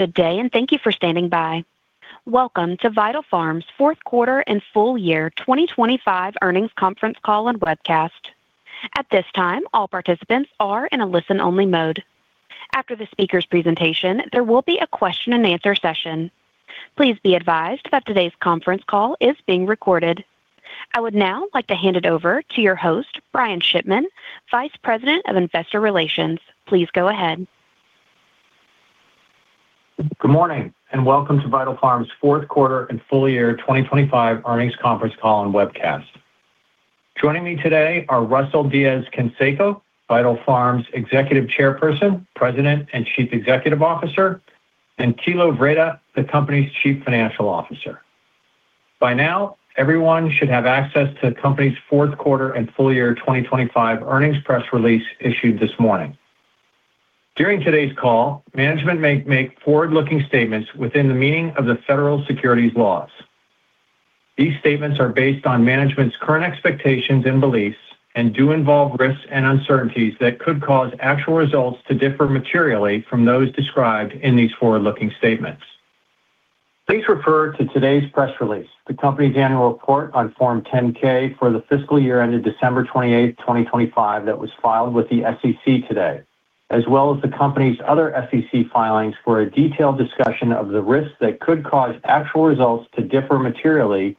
Good day. Thank you for standing by. Welcome to Vital Farms' fourth quarter and full year 2025 earnings conference call and webcast. At this time, all participants are in a listen-only mode. After the speaker's presentation, there will be a question-and-answer session. Please be advised that today's conference call is being recorded. I would now like to hand it over to your host, Brian Shipman, Vice President of Investor Relations. Please go ahead. Good morning, and welcome to Vital Farms' fourth quarter and full year 2025 earnings conference call and webcast. Joining me today are Russell Diez-Canseco, Vital Farms' Executive Chairperson, President, and Chief Executive Officer, and Thilo Wrede, the company's Chief Financial Officer. By now, everyone should have access to the company's fourth quarter and full year 2025 earnings press release issued this morning. During today's call, management may make forward-looking statements within the meaning of the federal securities laws. These statements are based on management's current expectations and beliefs and do involve risks and uncertainties that could cause actual results to differ materially from those described in these forward-looking statements. Please refer to today's press release, the company's annual report on Form 10-K for the fiscal year ended December 28, 2025, that was filed with the SEC today, as well as the company's other SEC filings for a detailed discussion of the risks that could cause actual results to differ materially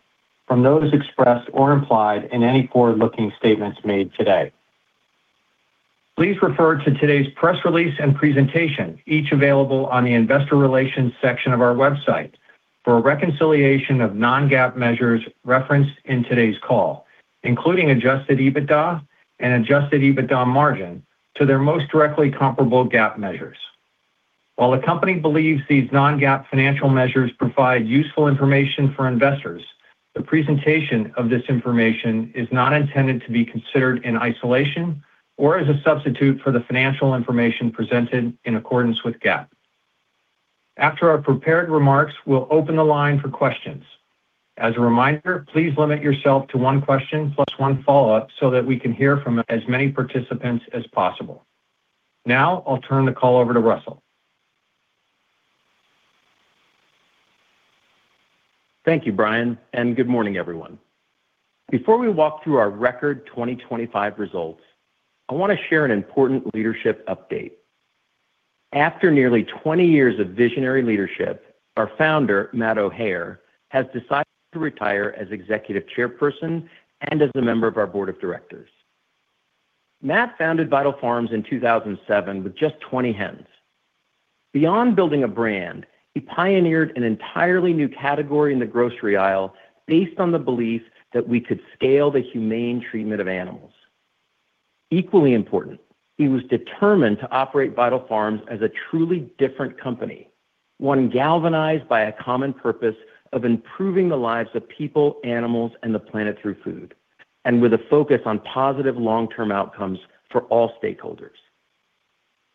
from those expressed or implied in any forward-looking statements made today. Please refer to today's press release and presentation, each available on the investor relations section of our website, for a reconciliation of non-GAAP measures referenced in today's call, including Adjusted EBITDA and Adjusted EBITDA margin, to their most directly comparable GAAP measures. While the company believes these non-GAAP financial measures provide useful information for investors, the presentation of this information is not intended to be considered in isolation or as a substitute for the financial information presented in accordance with GAAP. After our prepared remarks, we'll open the line for questions. As a reminder, please limit yourself to one question plus one follow-up so that we can hear from as many participants as possible. I'll turn the call over to Russell. Thank you, Brian. Good morning, everyone. Before we walk through our record 2025 results, I want to share an important leadership update. After nearly 20 years of visionary leadership, our founder, Matt O'Hayer, has decided to retire as executive chairperson and as a member of our board of directors. Matt founded Vital Farms in 2007 with just 20 hens. Beyond building a brand, he pioneered an entirely new category in the grocery aisle based on the belief that we could scale the humane treatment of animals. Equally important, he was determined to operate Vital Farms as a truly different company, one galvanized by a common purpose of improving the lives of people, animals, and the planet through food, and with a focus on positive long-term outcomes for all stakeholders.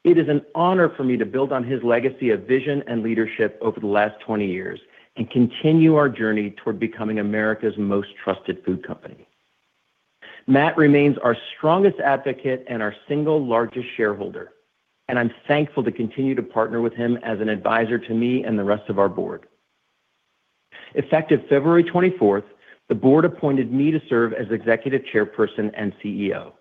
It is an honor for me to build on his legacy of vision and leadership over the last 20 years and continue our journey toward becoming America's most trusted food company. Matt O'Hayer remains our strongest advocate and our single largest shareholder, and I'm thankful to continue to partner with him as an advisor to me and the rest of our board. Effective February 24th, the board appointed me to serve as Executive Chairperson and CEO.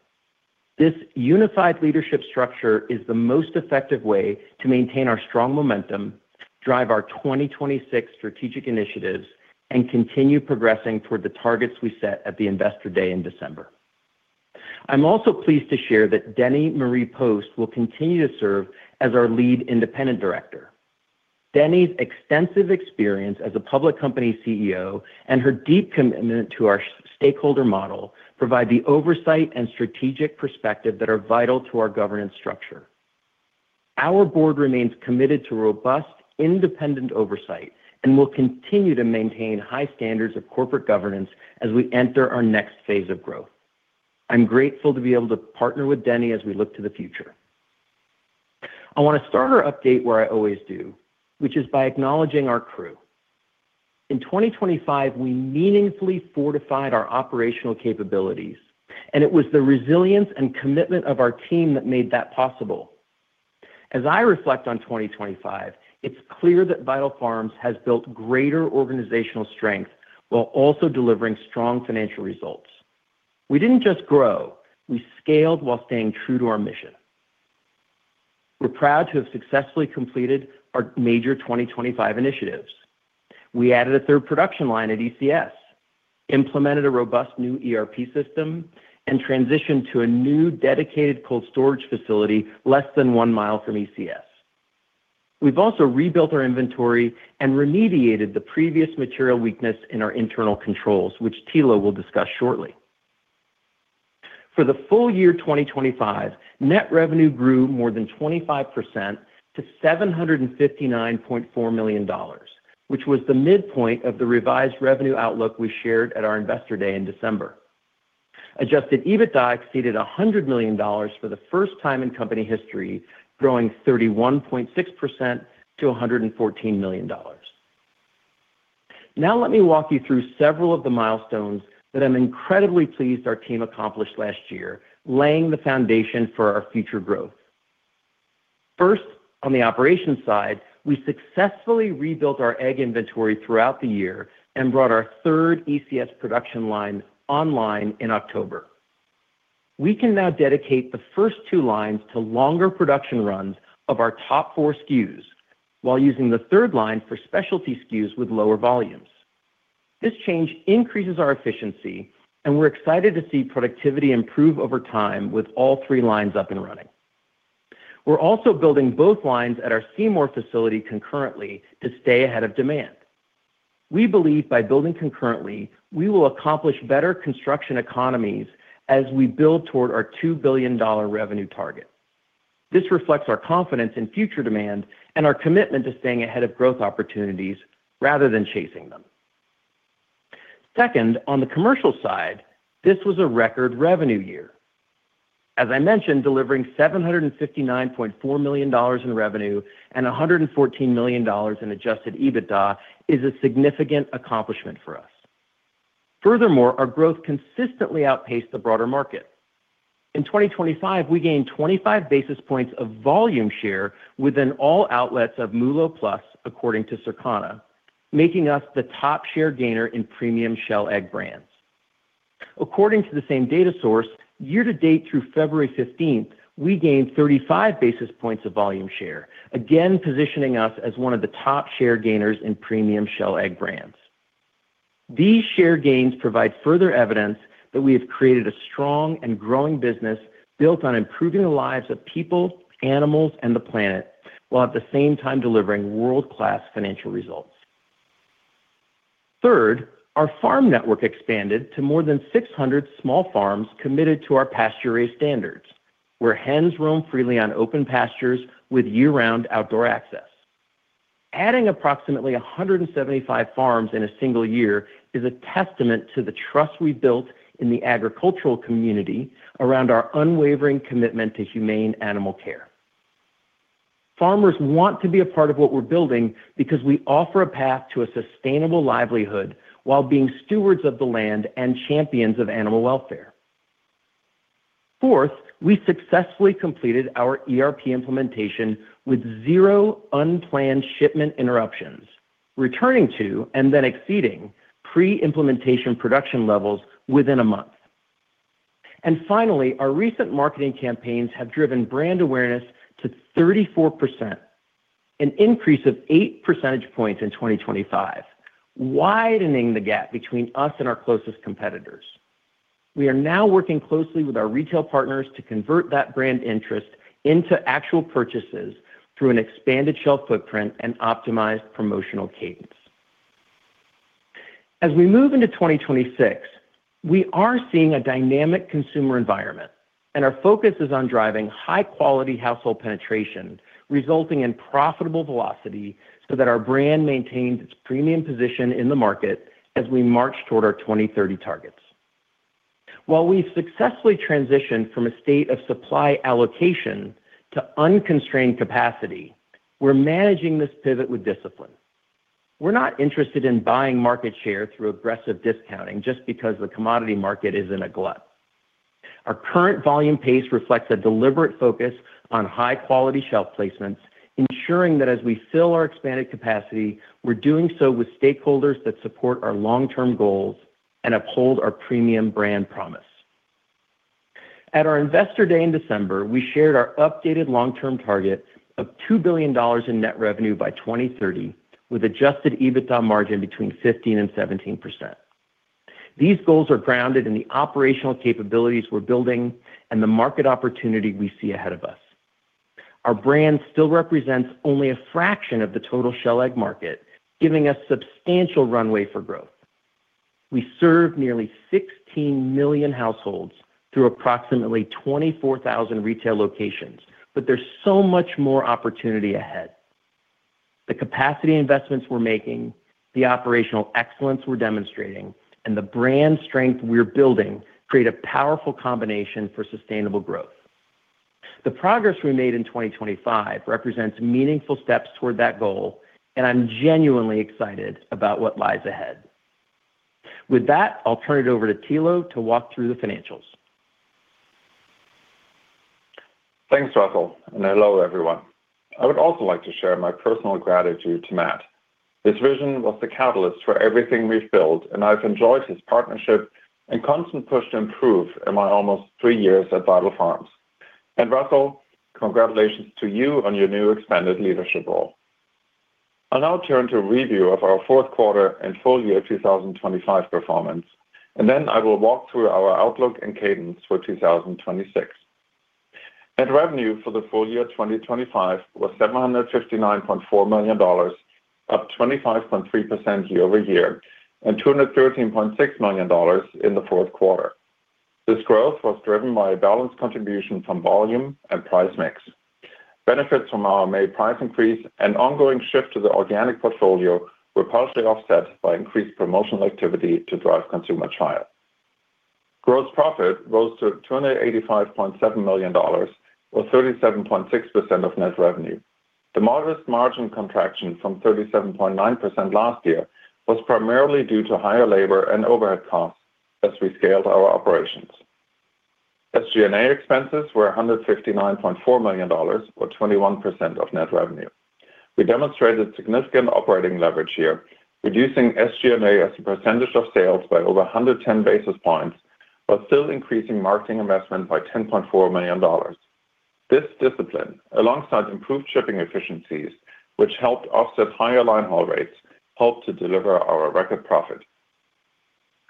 This unified leadership structure is the most effective way to maintain our strong momentum, drive our 2026 strategic initiatives, and continue progressing toward the targets we set at the Investor Day in December. I'm also pleased to share that Denny Marie Post will continue to serve as our Lead Independent Director. Denny's extensive experience as a public company CEO and her deep commitment to our stakeholder model provide the oversight and strategic perspective that are vital to our governance structure. Our board remains committed to robust, independent oversight and will continue to maintain high standards of corporate governance as we enter our next phase of growth. I'm grateful to be able to partner with Denny as we look to the future. I want to start our update where I always do, which is by acknowledging our crew. In 2025, it was the resilience and commitment of our team that made that possible. As I reflect on 2025, it's clear that Vital Farms has built greater organizational strength while also delivering strong financial results. We didn't just grow. We scaled while staying true to our mission. We're proud to have successfully completed our major 2025 initiatives. We added a third production line at ECS, implemented a robust new ERP system, and transitioned to a new dedicated cold storage facility less than one mile from ECS. We've also rebuilt our inventory and remediated the previous material weakness in our internal controls, which Thilo will discuss shortly. For the full year 2025, net revenue grew more than 25% to $759.4 million, which was the midpoint of the revised revenue outlook we shared at our Investor Day in December. Adjusted EBITDA exceeded $100 million for the first time in company history, growing 31.6% to $114 million. Now let me walk you through several of the milestones that I'm incredibly pleased our team accomplished last year, laying the foundation for our future growth. First, on the operations side, we successfully rebuilt our egg inventory throughout the year and brought our third ECS production line online in October. We can now dedicate the first two lines to longer production runs of our top four SKUs while using the third line for specialty SKUs with lower volumes. This change increases our efficiency, and we're excited to see productivity improve over time with all three lines up and running. We're also building both lines at our Seymour facility concurrently to stay ahead of demand. We believe by building concurrently, we will accomplish better construction economies as we build toward our $2 billion revenue target. This reflects our confidence in future demand and our commitment to staying ahead of growth opportunities rather than chasing them. Second, on the commercial side, this was a record revenue year. As I mentioned, delivering $759.4 million in revenue and $114 million in Adjusted EBITDA is a significant accomplishment for us. Our growth consistently outpaced the broader market. In 2025, we gained 25 basis points of volume share within all outlets of MULO+, according to Circana, making us the top share gainer in premium shell egg brands. According to the same data source, year to date through February 15th, we gained 35 basis points of volume share, again, positioning us as one of the top share gainers in premium shell egg brands. These share gains provide further evidence that we have created a strong and growing business built on improving the lives of people, animals, and the planet, while at the same time delivering world-class financial results. Third, our farm network expanded to more than 600 small farms committed to our pasture-raised standards, where hens roam freely on open pastures with year-round outdoor access. Adding approximately 175 farms in a single year is a testament to the trust we've built in the agricultural community around our unwavering commitment to humane animal care. Farmers want to be a part of what we're building because we offer a path to a sustainable livelihood while being stewards of the land and champions of animal welfare. Fourth, we successfully completed our ERP implementation with zero unplanned shipment interruptions, returning to and then exceeding pre-implementation production levels within a month. Finally, our recent marketing campaigns have driven brand awareness to 34%, an increase of 8 percentage points in 2025, widening the gap between us and our closest competitors. We are now working closely with our retail partners to convert that brand interest into actual purchases through an expanded shelf footprint and optimized promotional cadence. As we move into 2026, we are seeing a dynamic consumer environment, and our focus is on driving high-quality household penetration, resulting in profitable velocity, so that our brand maintains its premium position in the market as we march toward our 2030 targets. While we've successfully transitioned from a state of supply allocation to unconstrained capacity, we're managing this pivot with discipline. We're not interested in buying market share through aggressive discounting just because the commodity market is in a glut. Our current volume pace reflects a deliberate focus on high-quality shelf placements, ensuring that as we fill our expanded capacity, we're doing so with stakeholders that support our long-term goals and uphold our premium brand promise. At our Investor Day in December, we shared our updated long-term target of $2 billion in net revenue by 2030, with Adjusted EBITDA margin between 15% and 17%. These goals are grounded in the operational capabilities we're building and the market opportunity we see ahead of us. Our brand still represents only a fraction of the total shell egg market, giving us substantial runway for growth. We serve nearly 16 million households through approximately 24,000 retail locations, but there's so much more opportunity ahead. The capacity investments we're making, the operational excellence we're demonstrating, and the brand strength we're building create a powerful combination for sustainable growth. The progress we made in 2025 represents meaningful steps toward that goal, and I'm genuinely excited about what lies ahead. With that, I'll turn it over to Thilo to walk through the financials. Thanks, Russell. Hello, everyone. I would also like to share my personal gratitude to Matt. His vision was the catalyst for everything we've built, and I've enjoyed his partnership and constant push to improve in my almost three years at Vital Farms. Russell, congratulations to you on your new expanded leadership role. I'll now turn to a review of our fourth quarter and full year 2025 performance. I will walk through our outlook and cadence for 2026. Net revenue for the full year 2025 was $759.4 million, up 25.3% year-over-year, and $213.6 million in the fourth quarter. This growth was driven by a balanced contribution from volume and price mix. Benefits from our May price increase and ongoing shift to the Organic portfolio were partially offset by increased promotional activity to drive consumer trial. Gross profit rose to $285.7 million, or 37.6% of net revenue. The modest margin contraction from 37.9% last year was primarily due to higher labor and overhead costs as we scaled our operations. SG&A expenses were $159.4 million, or 21% of net revenue. We demonstrated significant operating leverage here, reducing SG&A as a percentage of sales by over 110 basis points, but still increasing marketing investment by $10.4 million. This discipline, alongside improved shipping efficiencies, which helped offset higher line haul rates, helped to deliver our record profit.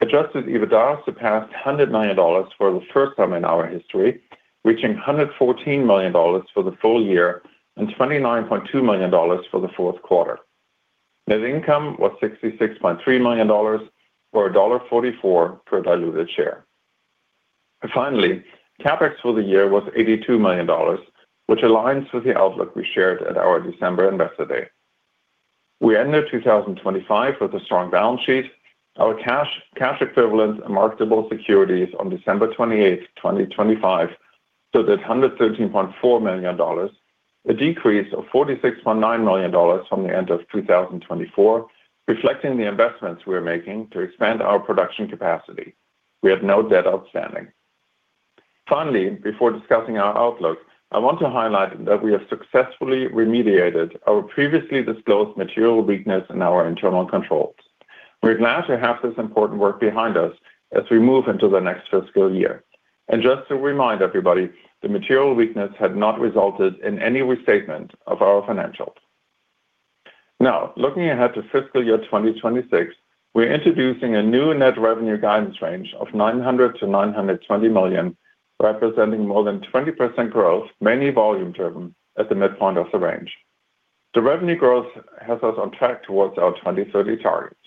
Adjusted EBITDA surpassed $100 million for the first time in our history, reaching $114 million for the full year and $29.2 million for the fourth quarter. Net income was $66.3 million, or $1.44 per diluted share. CapEx for the year was $82 million, which aligns with the outlook we shared at our December Investor Day. We ended 2025 with a strong balance sheet. Our cash equivalent, and marketable securities on December 28, 2025, stood at $113.4 million, a decrease of $46.9 million from the end of 2024, reflecting the investments we are making to expand our production capacity. We have no debt outstanding. Finally, before discussing our outlook, I want to highlight that we have successfully remediated our previously disclosed material weakness in our internal controls. We're glad to have this important work behind us as we move into the next fiscal year. Just to remind everybody, the material weakness had not resulted in any restatement of our financials. Looking ahead to fiscal year 2026, we're introducing a new net revenue guidance range of $900 million-$920 million, representing more than 20% growth, mainly volume-driven at the midpoint of the range. The revenue growth has us on track towards our 2030 targets.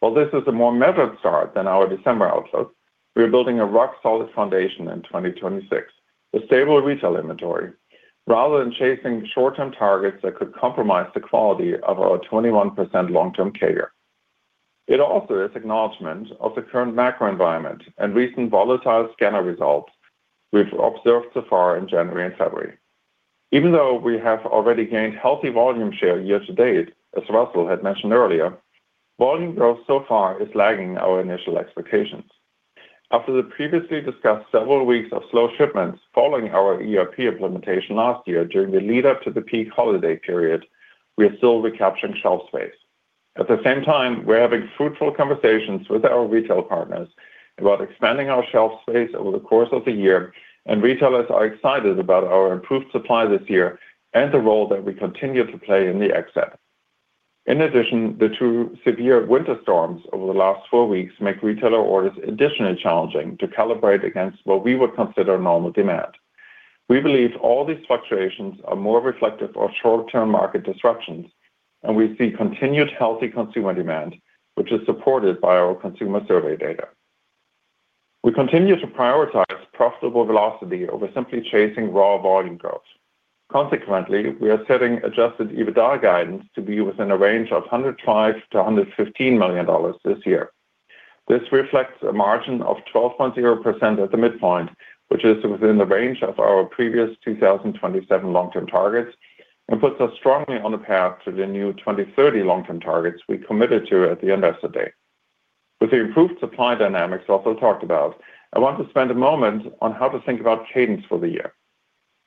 While this is a more measured start than our December outlook, we are building a rock-solid foundation in 2026 with stable retail inventory, rather than chasing short-term targets that could compromise the quality of our 21% long-term CAGR. It also is acknowledgment of the current macro environment and recent volatile scanner results we've observed so far in January and February. Even though we have already gained healthy volume share year to date, as Russell had mentioned earlier, volume growth so far is lagging our initial expectations. After the previously discussed several weeks of slow shipments following our ERP implementation last year during the lead-up to the peak holiday period, we are still recapturing shelf space. At the same time, we're having fruitful conversations with our retail partners about expanding our shelf space over the course of the year. Retailers are excited about our improved supply this year and the role that we continue to play in the egg set. In addition, the two severe winter storms over the last four weeks make retailer orders additionally challenging to calibrate against what we would consider normal demand. We believe all these fluctuations are more reflective of short-term market disruptions, and we see continued healthy consumer demand, which is supported by our consumer survey data. We continue to prioritize profitable velocity over simply chasing raw volume growth. Consequently, we are setting Adjusted EBITDA guidance to be within a range of $105 million-$115 million this year. This reflects a margin of 12.0% at the midpoint, which is within the range of our previous 2027 long-term targets and puts us strongly on the path to the new 2030 long-term targets we committed to at the Investor Day. With the improved supply dynamics also talked about, I want to spend a moment on how to think about cadence for the year.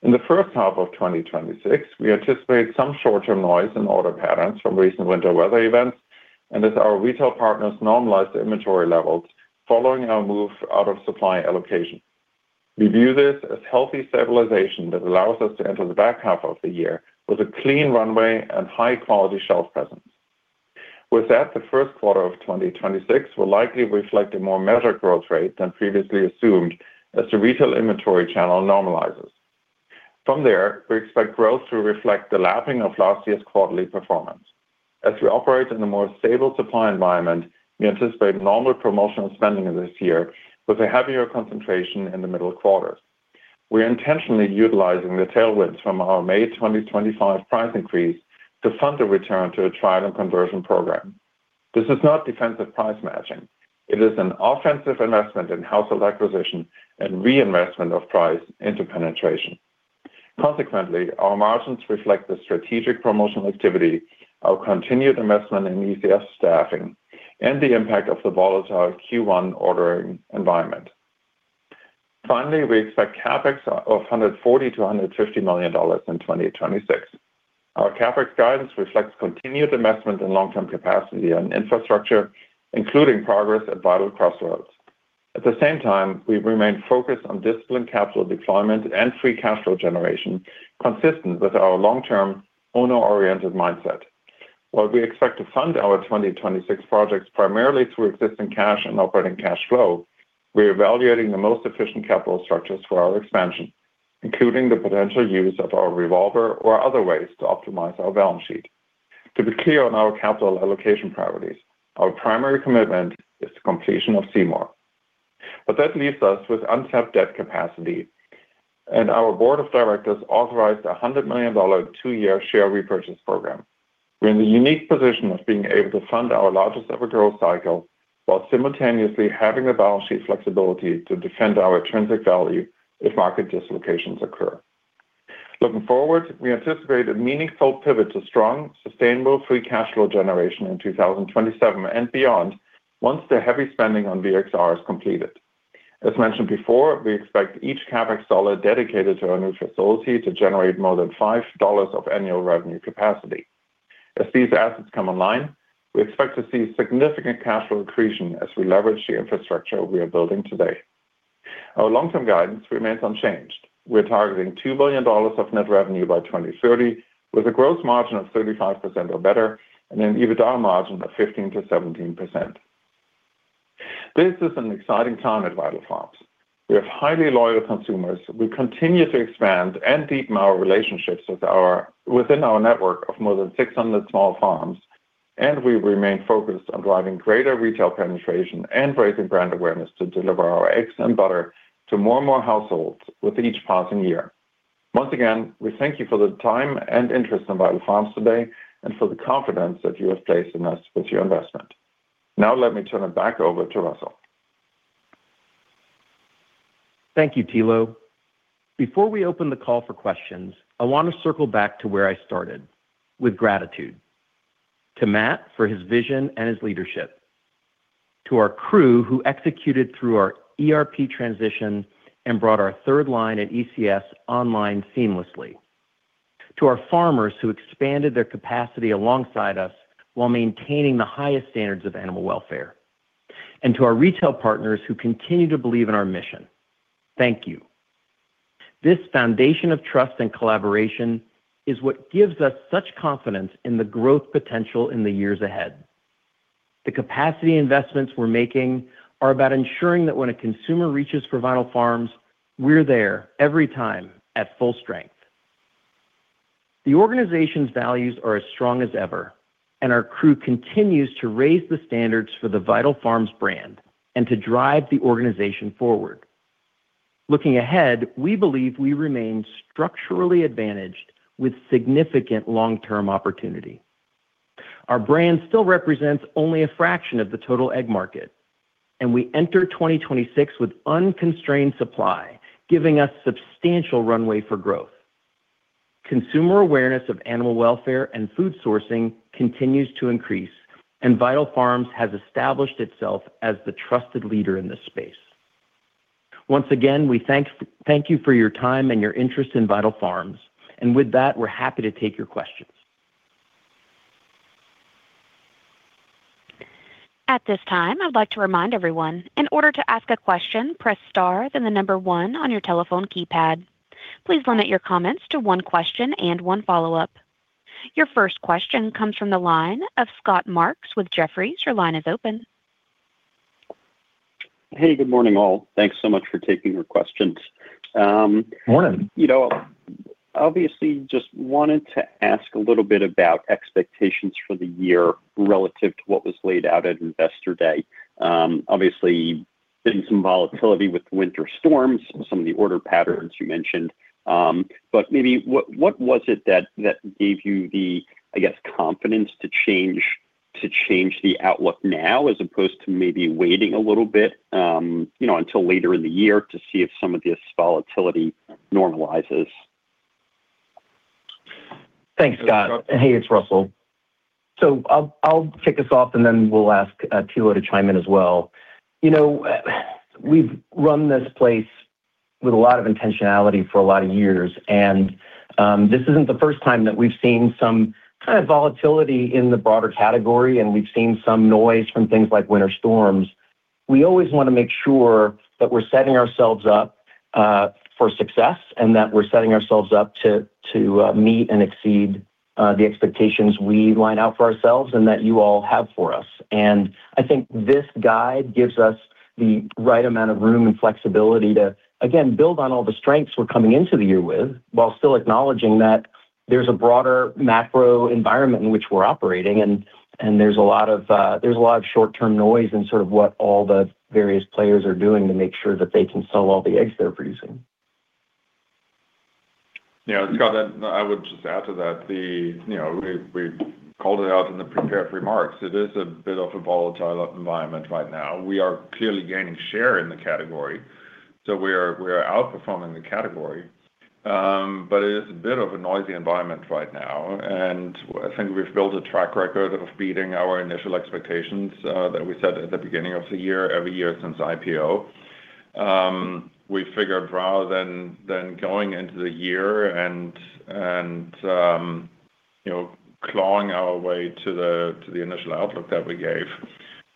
In the first half of 2026, we anticipate some short-term noise in order patterns from recent winter weather events and as our retail partners normalize their inventory levels following our move out of supply allocation. We view this as healthy stabilization that allows us to enter the back half of the year with a clean runway and high-quality shelf presence. With that, the first quarter of 2026 will likely reflect a more measured growth rate than previously assumed as the retail inventory channel normalizes. From there, we expect growth to reflect the lapping of last year's quarterly performance. As we operate in a more stable supply environment, we anticipate normal promotional spending this year with a heavier concentration in the middle quarters. We're intentionally utilizing the tailwinds from our May 2025 price increase to fund a return to a trial and conversion program. This is not defensive price matching. It is an offensive investment in household acquisition and reinvestment of price into penetration. Our margins reflect the strategic promotional activity, our continued investment in ECS staffing, and the impact of the volatile Q1 ordering environment. We expect CapEx of $140 million-$150 million in 2026. Our CapEx guidance reflects continued investment in long-term capacity and infrastructure, including progress at Vital Crossroads. We remain focused on disciplined capital deployment and free cash flow generation, consistent with our long-term owner-oriented mindset. While we expect to fund our 2026 projects primarily through existing cash and operating cash flow, we're evaluating the most efficient capital structures for our expansion, including the potential use of our revolver or other ways to optimize our balance sheet. To be clear on our capital allocation priorities, our primary commitment is the completion of Seymour. That leaves us with untapped debt capacity. And our board of directors authorized a $100 million 2-year share repurchase program. We're in the unique position of being able to fund our largest ever growth cycle, while simultaneously having the balance sheet flexibility to defend our intrinsic value if market dislocations occur. Looking forward, we anticipate a meaningful pivot to strong, sustainable, free cash flow generation in 2027 and beyond, once the heavy spending on VXR is completed. As mentioned before, we expect each CapEx dollar dedicated to our neutrality to generate more than $5 of annual revenue capacity. As these assets come online, we expect to see significant cash flow accretion as we leverage the infrastructure we are building today. Our long-term guidance remains unchanged. We're targeting $2 billion of net revenue by 2030, with a gross margin of 35% or better, and an EBITDA margin of 15%-17%. This is an exciting time at Vital Farms. We have highly loyal consumers. We continue to expand and deepen our relationships within our network of more than 600 small farms, we remain focused on driving greater retail penetration and raising brand awareness to deliver our eggs and butter to more and more households with each passing year. Once again, we thank you for the time and interest in Vital Farms today, for the confidence that you have placed in us with your investment. Let me turn it back over to Russell. Thank you, Thilo. Before we open the call for questions, I want to circle back to where I started, with gratitude: to Matt for his vision and his leadership, to our crew who executed through our ERP transition and brought our third line at ECS online seamlessly, to our farmers who expanded their capacity alongside us while maintaining the highest standards of animal welfare, and to our retail partners who continue to believe in our mission. Thank you. This foundation of trust and collaboration is what gives us such confidence in the growth potential in the years ahead. The capacity investments we're making are about ensuring that when a consumer reaches for Vital Farms, we're there every time at full strength. The organization's values are as strong as ever, and our crew continues to raise the standards for the Vital Farms brand and to drive the organization forward. Looking ahead, we believe we remain structurally advantaged with significant long-term opportunity. Our brand still represents only a fraction of the total egg market. We enter 2026 with unconstrained supply, giving us substantial runway for growth. Consumer awareness of animal welfare and food sourcing continues to increase. Vital Farms has established itself as the trusted leader in this space. Once again, we thank you for your time and your interest in Vital Farms. With that, we're happy to take your questions. At this time, I'd like to remind everyone, in order "to ask a question, press star, then the number one" on your telephone keypad. Please limit your comments to one question and one follow-up. Your first question comes from the line of Scott Marks with Jefferies. Your line is open. Hey, good morning, all. Thanks so much for taking our questions. Morning. You know, obviously, just wanted to ask a little bit about expectations for the year relative to what was laid out at Investor Day. Obviously, been some volatility with winter storms and some of the order patterns you mentioned. Maybe what was it that gave you the, I guess, confidence to change, to change the outlook now, as opposed to maybe waiting a little bit, you know, until later in the year to see if some of this volatility normalizes? Thanks, Scott. Hey, it's Russell. I'll kick us off, and then we'll ask Thilo to chime in as well. You know, we've run this place with a lot of intentionality for a lot of years, and this isn't the first time that we've seen some kind of volatility in the broader category, and we've seen some noise from things like winter storms. We always wanna make sure that we're setting ourselves up for success and that we're setting ourselves up to meet and exceed the expectations we line out for ourselves and that you all have for us. I think this guide gives us the right amount of room and flexibility to, again, build on all the strengths we're coming into the year with, while still acknowledging that there's a broader macro environment in which we're operating, and there's a lot of short-term noise in sort of what all the various players are doing to make sure that they can sell all the eggs they're producing. Yeah, Scott, I would just add to that. You know, we called it out in the prepared remarks. It is a bit of a volatile environment right now. We are clearly gaining share in the category, so we are outperforming the category. It is a bit of a noisy environment right now, and I think we've built a track record of beating our initial expectations that we set at the beginning of the year, every year since the IPO. We figured rather than going into the year and, you know, clawing our way to the initial outlook that we gave,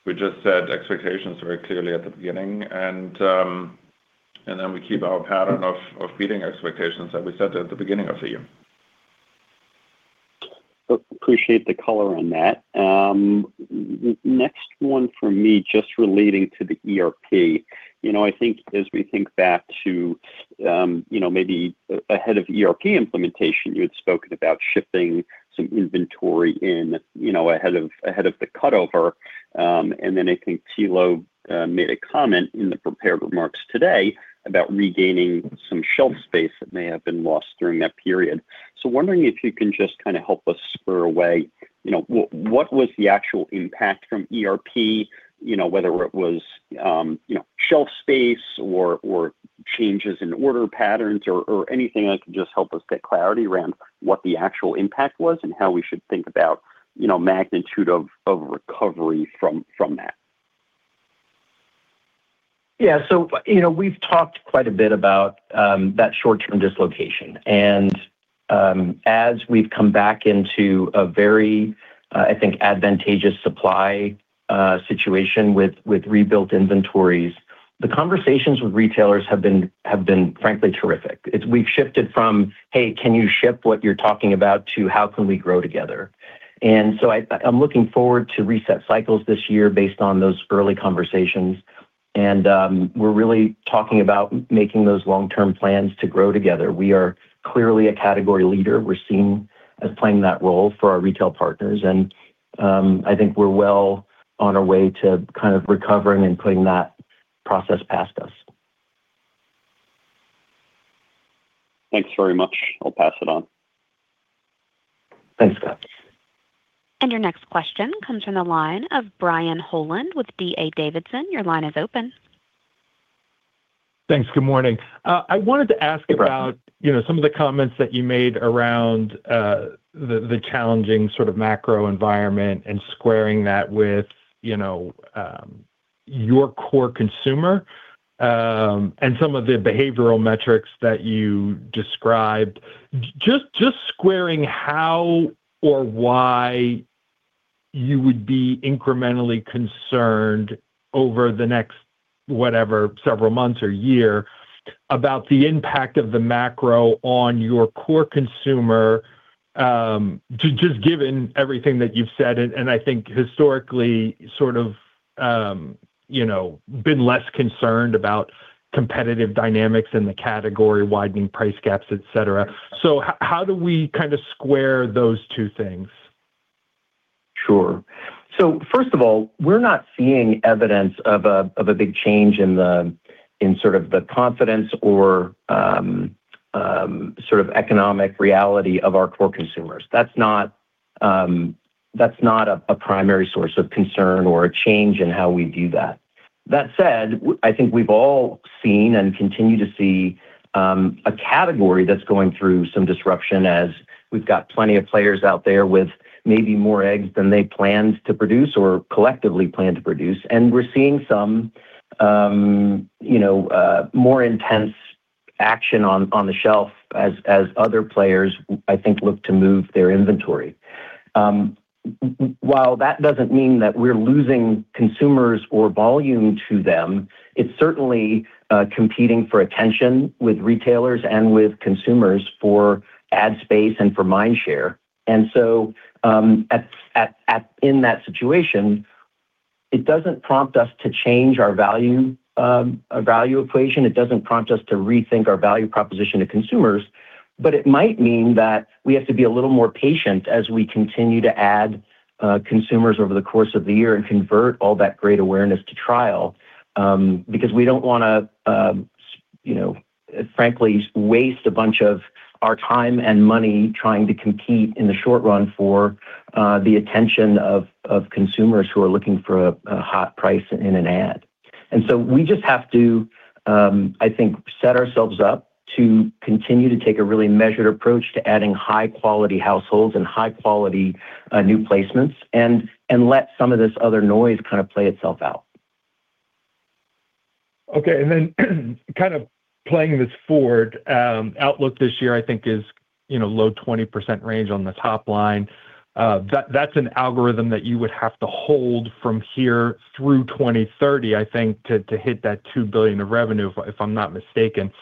we just set expectations very clearly at the beginning, and then we keep our pattern of beating expectations that we set at the beginning of the year. Appreciate the color on that. next one for me, just relating to the ERP. You know, I think as we think back to, you know, maybe ahead of ERP implementation, you had spoken about shifting some inventory in, you know, ahead of the cutover. And then I think Thilo made a comment in the prepared remarks today about regaining some shelf space that may have been lost during that period. So wondering if you can just kinda help us spur away, you know, what was the actual impact from ERP? You know, whether it was, you know, shelf space or changes in order patterns or anything that can just help us get clarity around what the actual impact was and how we should think about, you know, magnitude of recovery from that? You know, we've talked quite a bit about that short-term dislocation. As we've come back into a very, I think, advantageous supply situation with rebuilt inventories, the conversations with retailers have been, frankly, terrific. We've shifted from, "Hey, can you ship what you're talking about?" to, "How can we grow together?" I'm looking forward to reset cycles this year based on those early conversations, we're really talking about making those long-term plans to grow together. We are clearly a category leader. We're seen as playing that role for our retail partners, I think we're well on our way to kind of recovering and putting that process past us. Thanks very much. I'll pass it on. Thanks, Scott. Your next question comes from the line of Brian Holland with D.A. Davidson. Your line is open. Thanks. Good morning. I wanted to. Hi, Brian.... about, you know, some of the comments that you made around, the challenging sort of macro environment and squaring that with, you know, your core consumer, and some of the behavioral metrics that you described. Just squaring how or why you would be incrementally concerned over the next, whatever, several months or year about the impact of the macro on your core consumer, just given everything that you've said, and I think historically, sort of, you know, been less concerned about competitive dynamics in the category, widening price gaps, et cetera. How do we square those two things? Sure. First of all, we're not seeing evidence of a big change in sort of the confidence or, sort of economic reality of our core consumers. That's not a primary source of concern or a change in how we view that. That said, I think we've all seen and continue to see a category that's going through some disruption as we've got plenty of players out there with maybe more eggs than they planned to produce or collectively planned to produce, and we're seeing some, you know, more intense action on the shelf as other players, I think, look to move their inventory. While that doesn't mean that we're losing consumers or volume to them, it's certainly competing for attention with retailers and with consumers for ad space and for mind share. In that situation, it doesn't prompt us to change our value equation. It doesn't prompt us to rethink our value proposition to consumers. It might mean that we have to be a little more patient as we continue to add consumers over the course of the year and convert all that great awareness to trial, because we don't want to, you know, frankly, waste a bunch of our time and money trying to compete in the short run for the attention of consumers who are looking for a hot price in an ad. We just have to, I think, set ourselves up to continue to take a really measured approach to adding high-quality households and high-quality new placements and let some of this other noise kind of play itself out. Okay, kind of playing this forward, outlook this year, I think is, you know, low 20% range on the top line. That's an algorithm that you would have to hold from here through 2030, I think, to hit that $2 billion of revenue, if I'm not mistaken.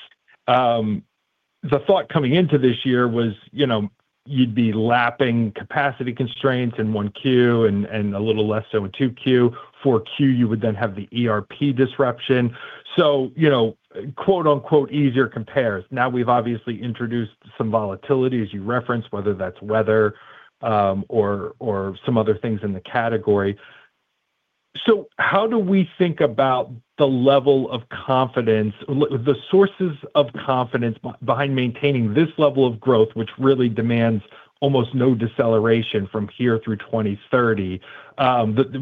The thought coming into this year was, you know, you'd be lapping capacity constraints in 1Q and a little less so in 2Q. 4Q, you would then have the ERP disruption. You know, quote-unquote, "easier compares." Now, we've obviously introduced some volatility, as you referenced, whether that's weather, or some other things in the category. How do we think about the level of confidence, the sources of confidence behind maintaining this level of growth, which really demands almost no deceleration from here through 2030?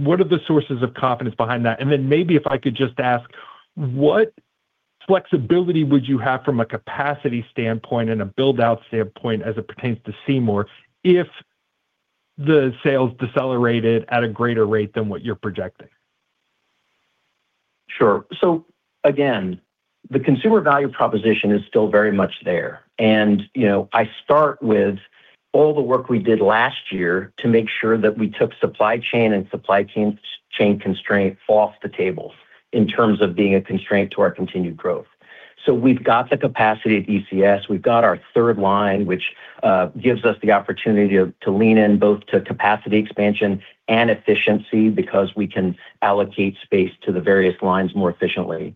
What are the sources of confidence behind that? Maybe if I could just ask, what flexibility would you have from a capacity standpoint and a build-out standpoint as it pertains to Seymour if the sales decelerated at a greater rate than what you're projecting? Sure. Again, the consumer value proposition is still very much there. You know, I start with all the work we did last year to make sure that we took supply chain constraint off the table in terms of being a constraint to our continued growth. We've got the capacity at ECS. We've got our third line, which gives us the opportunity to lean in both to capacity expansion and efficiency because we can allocate space to the various lines more efficiently.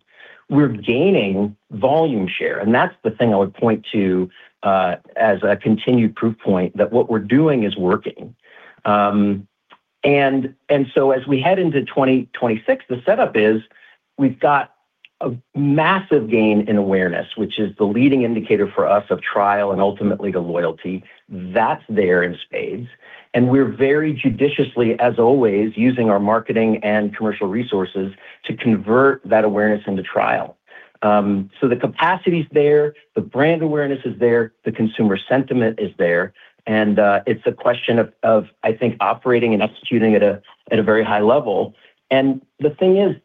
We're gaining volume share, and that's the thing I would point to as a continued proof point that what we're doing is working. As we head into 2026, the setup is we've got a massive gain in awareness, which is the leading indicator for us of trial and ultimately to loyalty. That's there in spades. We're very judiciously, as always, using our marketing and commercial resources to convert that awareness into trial. The capacity's there, the brand awareness is there, the consumer sentiment is there, and it's a question of, I think, operating and executing at a very high level. The thing is,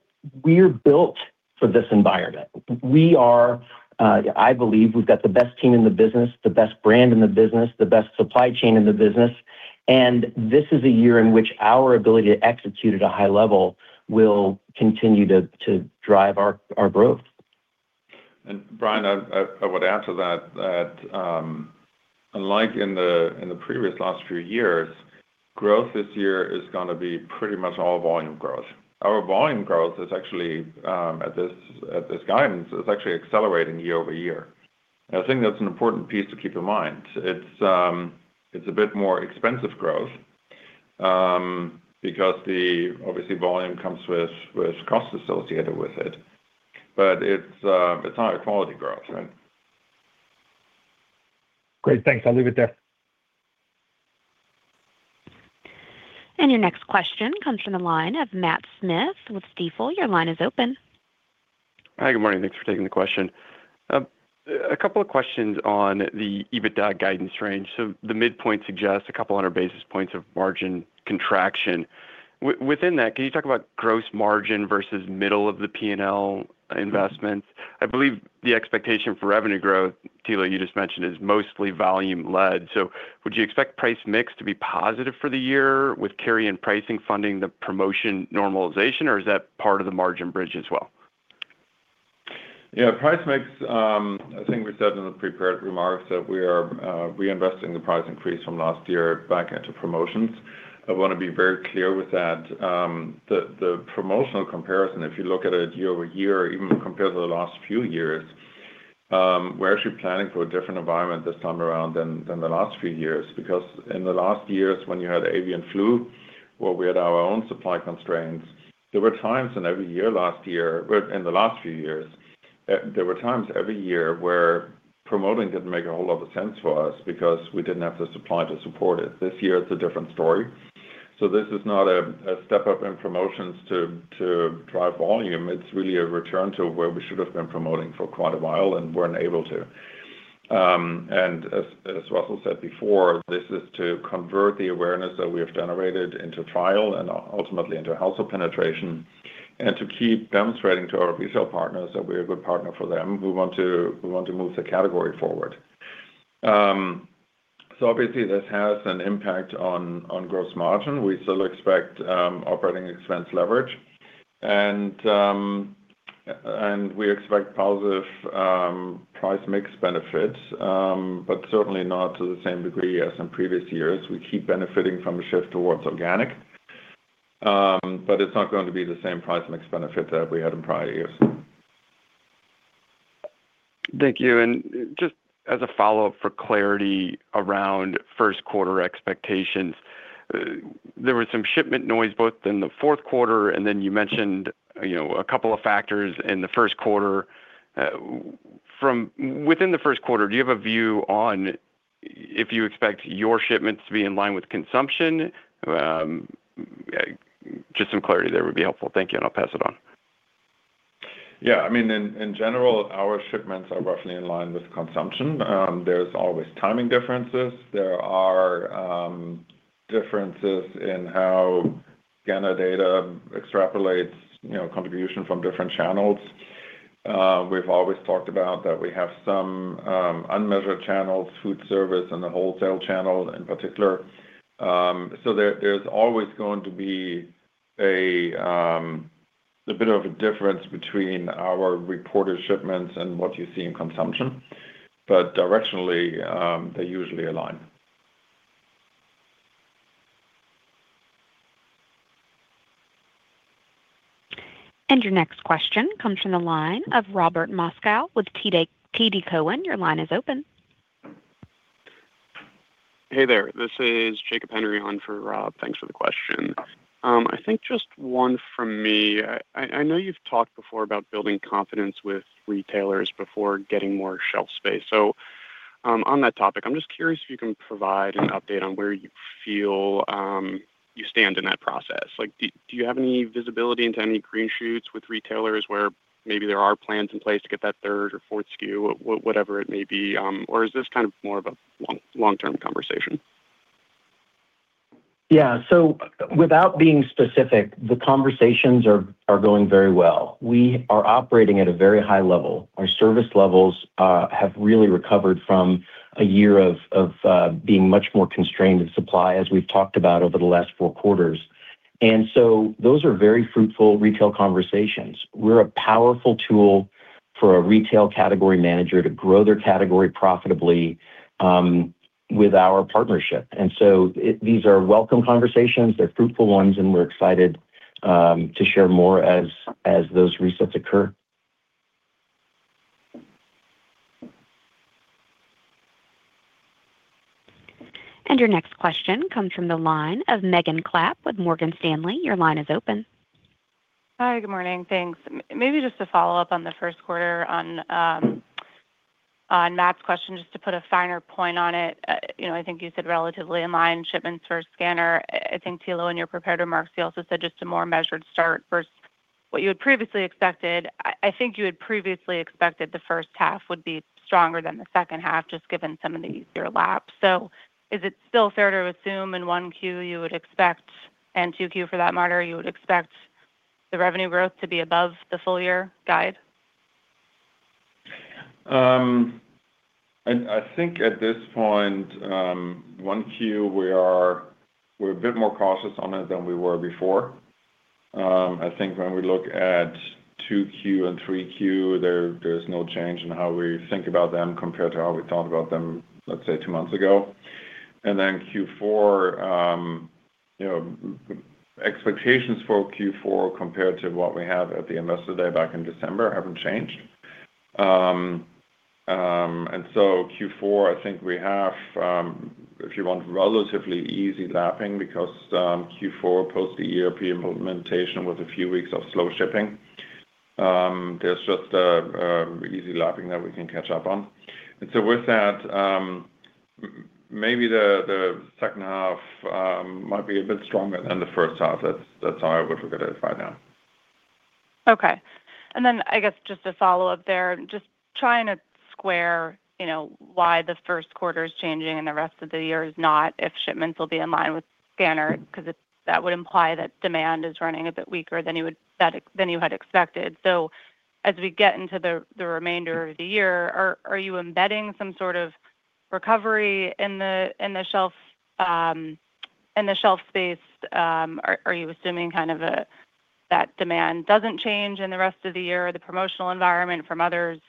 we're built for this environment. We are, I believe we've got the best team in the business, the best brand in the business, the best supply chain in the business, and this is a year in which our ability to execute at a high level will continue to drive our growth. Brian, I would add to that unlike in the previous last few years, growth this year is gonna be pretty much all volume growth. Our volume growth is actually at this guidance, is actually accelerating year-over-year. I think that's an important piece to keep in mind. It's a bit more expensive growth, because obviously, volume comes with costs associated with it, but it's high-quality growth, right? Great. Thanks. I'll leave it there. Your next question comes from the line of Matthew Smith with Stifel. Your line is open. Hi, good morning. Thanks for taking the question. A couple of questions on the EBITDA guidance range. The midpoint suggests a couple hundred basis points of margin contraction. Within that, can you talk about gross margin versus middle of the P&L investment? I believe the expectation for revenue growth, Thilo you just mentioned, is mostly volume-led. Would you expect price mix to be positive for the year with carry-in pricing funding the promotion normalization, or is that part of the margin bridge as well? Price mix, I think we said in the prepared remarks that we are reinvesting the price increase from last year back into promotions. I want to be very clear with that. The promotional comparison, if you look at it year-over-year, even compared to the last few years, we're actually planning for a different environment this time around than the last few years. In the last years, when you had the Avian Influenza or we had our own supply constraints, there were times when every year last year, well, in the last few years, there were times every year where promoting didn't make a whole lot of sense for us because we didn't have the supply to support it. This year, it's a different story. This is not a step up in promotions to drive volume. It's really a return to where we should have been promoting for quite a while and weren't able to. As Russell said before, this is to convert the awareness that we have generated into trial and ultimately into household penetration, and to keep demonstrating to our retail partners that we're a good partner for them. We want to, we want to move the category forward. Obviously, this has an impact on gross margin. We still expect operating expense leverage, and we expect positive price mix benefits, certainly not to the same degree as in previous years. We keep benefiting from a shift towards Organic, it's not going to be the same price mix benefit that we had in prior years. Thank you. Just as a follow-up for clarity around first quarter expectations, there was some shipment noise, both in the fourth quarter, then you mentioned, you know, a couple of factors in the first quarter. Within the first quarter, do you have a view on if you expect your shipments to be in line with consumption? Just some clarity there would be helpful. Thank you. I'll pass it on. I mean, in general, our shipments are roughly in line with consumption. There's always timing differences. There are differences in how scanner data extrapolates, you know, contribution from different channels. We've always talked about that we have some unmeasured channels, food service and the wholesale channel in particular. There's always going to be a bit of a difference between our reported shipments and what you see in consumption, but directionally, they usually align. Your next question comes from the line of Robert Moskow with TD Cowen. Your line is open. Hey there. This is Jacob Henry on for Rob. Thanks for the question. I think just one from me. I know you've talked before about building confidence with retailers before getting more shelf space. On that topic, I'm just curious if you can provide an update on where you feel you stand in that process. Like, do you have any visibility into any green shoots with retailers, where maybe there are plans in place to get that third or fourth SKU, whatever it may be, or is this kind of more of a long, long-term conversation? Without being specific, the conversations are going very well. We are operating at a very high level. Our service levels have really recovered from a year of being much more constrained in supply, as we've talked about over the last four quarters. Those are very fruitful retail conversations. We're a powerful tool for a retail category manager to grow their category profitably, with our partnership. These are welcome conversations, they're fruitful ones, and we're excited to share more as those resets occur. Your next question comes from the line of Megan Clapp with Morgan Stanley. Your line is open. Hi, good morning. Thanks. Maybe just to follow up on the first quarter on Matt's question, just to put a finer point on it. You know, I think you said relatively in line shipments for scanner. I think, Thilo, in your prepared remarks, you also said just a more measured start versus what you had previously expected. I think you had previously expected the first half would be stronger than the second half, just given some of the easier laps. Is it still fair to assume in one Q, you would expect, and two Q for that matter, you would expect the revenue growth to be above the full year guide? I think at this point, Q1, we're a bit more cautious on it than we were before. I think when we look at Q2 and Q3, there's no change in how we think about them compared to how we thought about them, let's say, two months ago. Q4, you know, expectations for Q4 compared to what we had at the Investor Day back in December, haven't changed. Q4, I think we have, if you want, relatively easy lapping because Q4, post the ERP implementation, with a few weeks of slow shipping, there's just a easy lapping that we can catch up on. With that, maybe the second half might be a bit stronger than the first half. That's how I would look at it right now. Okay. I guess just to follow up there, just trying to square, you know, why the first quarter is changing and the rest of the year is not, if shipments will be in line with scanner, because that would imply that demand is running a bit weaker than you had expected. As we get into the remainder of the year, are you embedding some sort of recovery in the shelf, in the shelf space? Are you assuming kind of that demand doesn't change in the rest of the year, or the promotional environment from others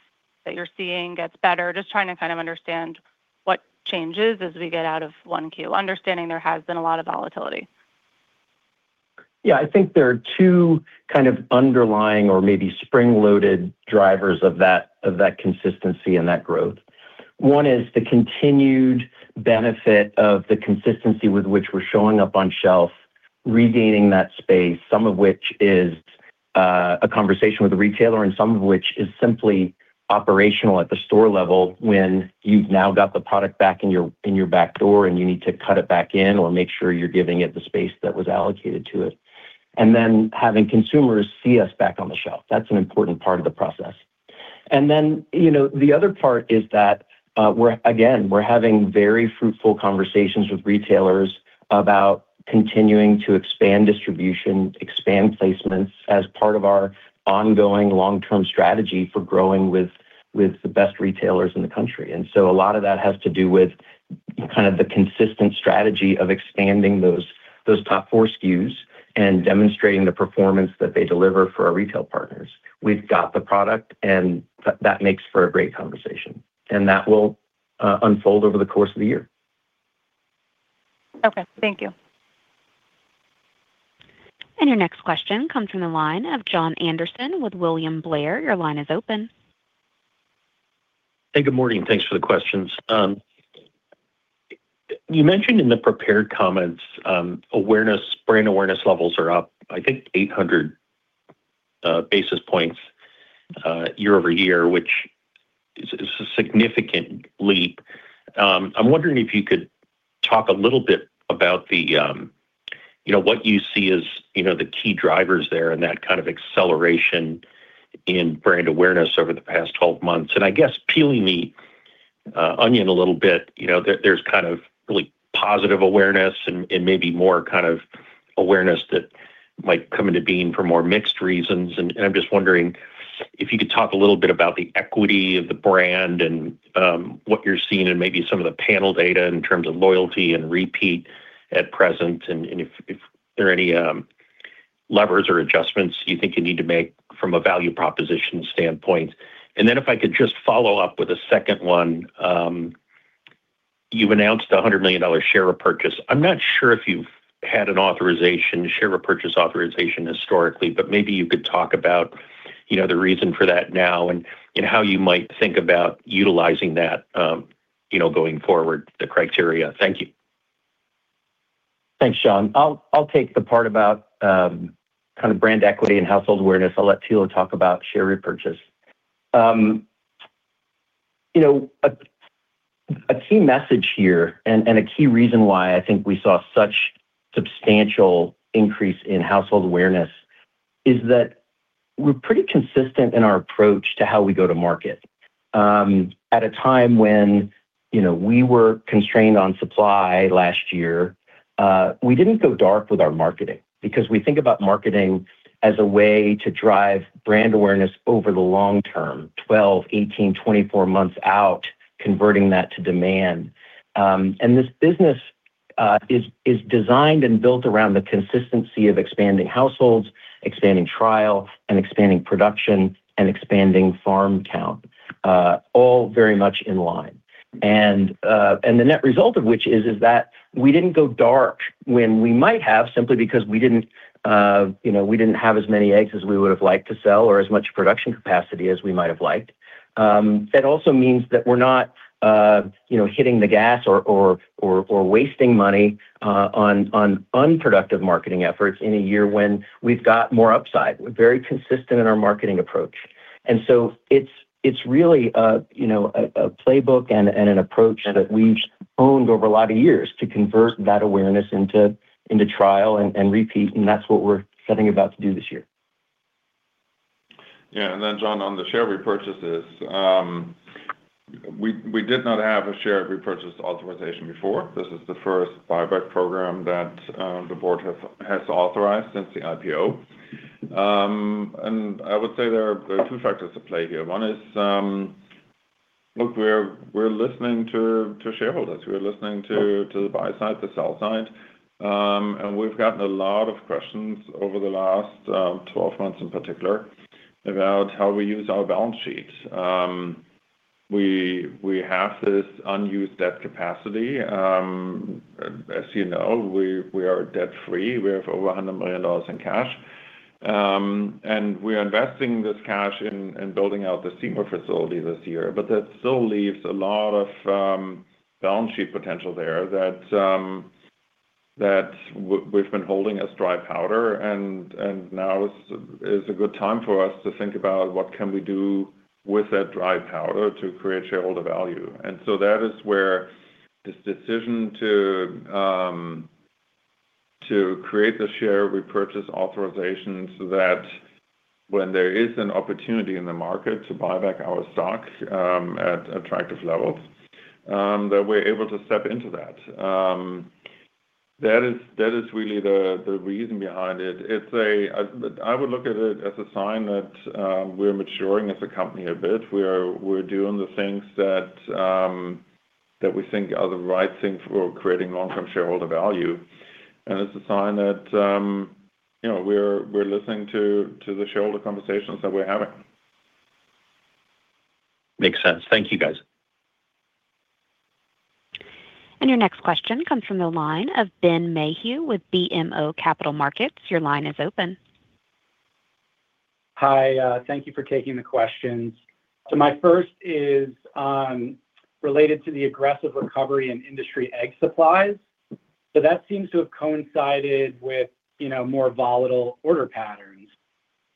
that you're seeing gets better? Just trying to kind of understand what changes as we get out of 1Q, understanding there has been a lot of volatility. Yeah, I think there are two kind of underlying or maybe spring-loaded drivers of that consistency and that growth. One is the continued benefit of the consistency with which we're showing up on shelf, regaining that space, some of which is a conversation with a retailer, and some of which is simply operational at the store level, when you've now got the product back in your back door, and you need to cut it back in or make sure you're giving it the space that was allocated to it. Then having consumers see us back on the shelf. That's an important part of the process. You know, the other part is that we're having very fruitful conversations with retailers about continuing to expand distribution, expand placements as part of our ongoing long-term strategy for growing with the best retailers in the country. A lot of that has to do with kind of the consistent strategy of expanding those top 4 SKUs and demonstrating the performance that they deliver for our retail partners. We've got the product, and that makes for a great conversation, and that will unfold over the course of the year. Okay, thank you. Your next question comes from the line of Jon Andersen with William Blair. Your line is open. Hey, good morning, thanks for the questions. You mentioned in the prepared comments, awareness, brand awareness levels are up, I think, 800 basis points year-over-year, which is a significant leap. I'm wondering if you could talk a little bit about the, you know, what you see as, you know, the key drivers there and that kind of acceleration in brand awareness over the past 12 months. I guess peeling the onion a little bit, you know, there's kind of really positive awareness and maybe more kind of awareness that might come into being for more mixed reasons. I'm just wondering if you could talk a little bit about the equity of the brand and what you're seeing and maybe some of the panel data in terms of loyalty and repeat at present, and if there are any levers or adjustments you think you need to make from a value proposition standpoint. Then if I could just follow up with a second one. You've announced a $100 million share repurchase. I'm not sure if you've had an authorization, share repurchase authorization historically, but maybe you could talk about, you know, the reason for that now and how you might think about utilizing that, you know, going forward, the criteria. Thank you. Thanks, Sean. I'll take the part about kind of brand equity and household awareness. I'll let Thilo talk about share repurchase. You know, a key message here and a key reason why I think we saw such substantial increase in household awareness is that we're pretty consistent in our approach to how we go to market. At a time when, you know, we were constrained on supply last year, we didn't go dark with our marketing because we think about marketing as a way to drive brand awareness over the long term, 12, 18, 24 months out, converting that to demand. This business is designed and built around the consistency of expanding households, expanding trial, and expanding production, and expanding farm count, all very much in line. The net result of which is that we didn't go dark when we might have simply because we didn't, you know, we didn't have as many eggs as we would have liked to sell or as much production capacity as we might have liked. That also means that we're not, you know, hitting the gas or wasting money, on unproductive marketing efforts in a year when we've got more upside. We're very consistent in our marketing approach. It's really a, you know, a playbook and an approach that we've owned over a lot of years to convert that awareness into trial and repeat, and that's what we're setting about to do this year. Yeah. John, on the share repurchases, we did not have a share repurchase authorization before. This is the first buyback program that the board has authorized since the IPO. I would say there are two factors at play here. One is, look, we're listening to shareholders. We're listening to the buy side, the sell side. We've gotten a lot of questions over the last 12 months in particular about how we use our balance sheet. We have this unused debt capacity. As you know, we are debt-free. We have over $100 million in cash. We are investing this cash in building out the Seymour facility this year. That still leaves a lot of balance sheet potential there that we've been holding as dry powder. Now is a good time for us to think about what can we do with that dry powder to create shareholder value. That is where this decision to create the share repurchase authorization, so that when there is an opportunity in the market to buy back our stock at attractive levels, that we're able to step into that. That is really the reason behind it. It's I would look at it as a sign that we're maturing as a company a bit. We're doing the things that we think are the right things for creating long-term shareholder value. It's a sign that, you know, we're listening to the shareholder conversations that we're having. Makes sense. Thank you, guys. Your next question comes from the line of Benjamin Theurer with BMO Capital Markets. Your line is open. Hi. Thank you for taking the questions. My first is related to the aggressive recovery in industry egg supplies. That seems to have coincided with, you know, more volatile order patterns.